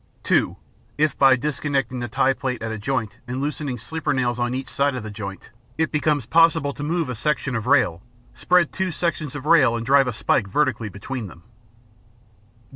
(2) If by disconnecting the tie plate at a joint and loosening sleeper nails on each side of the joint, it becomes possible to move a sections of rail, spread two sections of rail and drive a spike vertically between them.